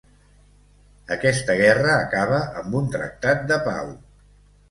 Aquesta guerra acaba amb un tractat de pau.